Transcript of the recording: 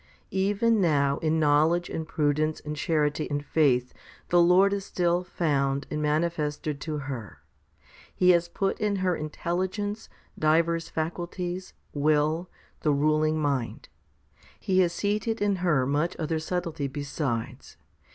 6. Even now in knowledge and prudence and charity and faith the Lord is still found and manifested to her. He has put in her intelligence, divers faculties, will, the ruling mind. He has seated in her much other subtlety besides.